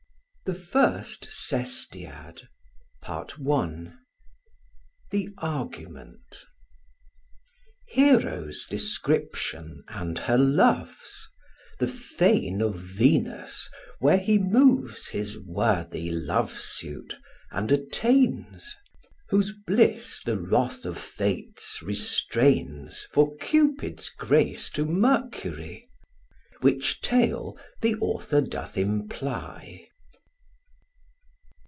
THE FIRST SESTIAD THE ARGUMENT OF THE FIRST SESTIAD Hero's description and her love's; The fane of Venus where he moves His worthy love suit, and attains; Whose bliss the wrath of Fates restrains For Cupid's grace to Mercury: Which tale the author doth imply.